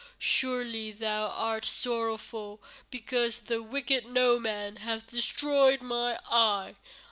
Surely thou art sorrowful because the wicked Noman hath destroyed my eye.